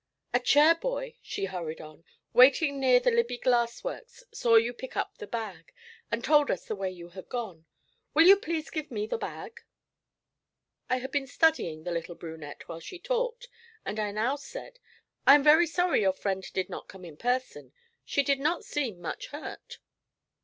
'A chair boy,' she hurried on, 'waiting near the Libbey Glass Works saw you pick up the bag, and told us the way you had gone. Will you please give me the bag?' I had been studying the little brunette while she talked, and I now said: 'I am very sorry your friend did not come in person. She did not seem much hurt.'